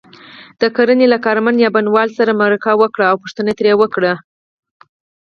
د کرنې له کارمند یا بڼوال سره مرکه وکړئ او پوښتنې ترې وکړئ.